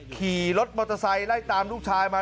ขี่รถมอเตอร์ไซค์ไล่ตามลูกชายมา